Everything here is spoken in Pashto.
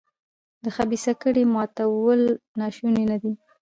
د خبیثه کړۍ ماتول ناشوني نه دي.